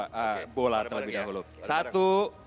satu aja bola terlebih dahulu